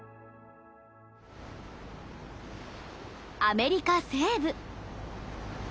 アメリカ西部。